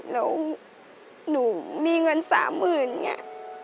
แล้วหนูมีเงินสามหมื่นอย่างนี้